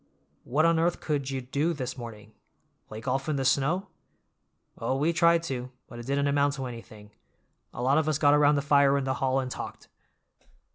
"What on earth could you do this morning? Play golf in the snow?" "Oh, we tried to, but it didn't amount to anything. A lot of us got around the fire in the hall and talked.